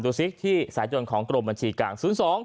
ตรูซิกที่สายจนของกรมบัญชีกลาง๐๒๒๗๐๖๔๐๐๗